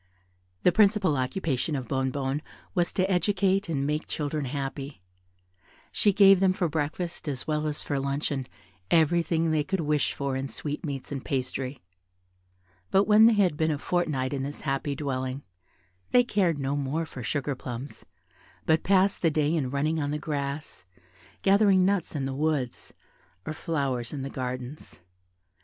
The principal occupation of Bonnebonne was to educate and make children happy: she gave them for breakfast as well as for luncheon everything they could wish for in sweetmeats and pastry; but when they had been a fortnight in this happy dwelling, they cared no more for sugar plums, but passed the day in running on the grass, gathering nuts in the woods, or flowers in the gardens.